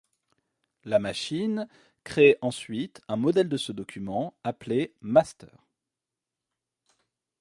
La machine crée ensuite un modèle de ce document, appelé master.